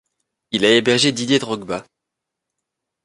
Il a hébergé Didier Drogba.